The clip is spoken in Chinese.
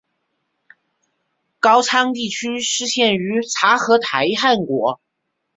高昌地区失陷于察合台汗国。